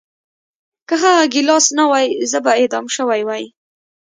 که هغه ګیلاس نه وای زه به اعدام شوی وای